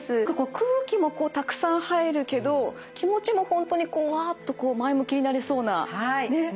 空気もこうたくさん入るけど気持ちも本当にこうわっとこう前向きになれそうな。